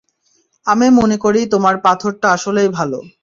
আমি মনে করি তোমার পাথরটা আসলেই ভালো।